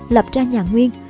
lập ra nhà nguyên